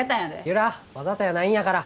由良わざとやないんやから。